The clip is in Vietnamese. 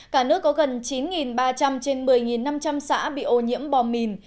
cả nước có gần chín ba trăm linh trên một mươi năm trăm linh xã bị ô nhiễm bom mìn